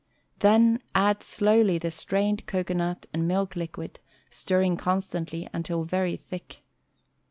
Then add slowly the strained cocoanut and milk liquid, stirring constantly until very thick.